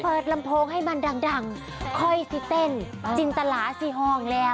เปิดลำโพงให้มันดังคอยซี่เต้นจิ้นตะหลาซี่ห้องแล้ว